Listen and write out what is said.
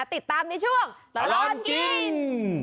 ติดตามในช่วงตลอดกิน